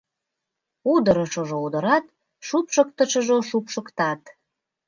Удырышыжо удырат, шупшыктышыжо шупшыктат.